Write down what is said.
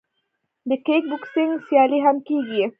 د کیک بوکسینګ سیالۍ هم کیږي.